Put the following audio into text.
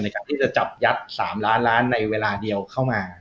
กับที่จะจับยัด๓ล้านล้านในเวลาเดียวเข้ามา